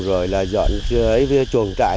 rồi là dọn cái chuồng trại